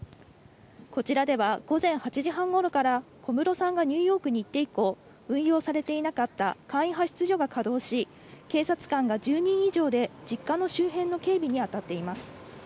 こちらでは、午前８時半ごろから、小室さんがニューヨークに行って以降、運用されていなかった簡易派出所が稼働し、警察官が１０人以上で実家の周辺の警備に当たっています。